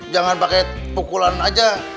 jangan pakai pukulan aja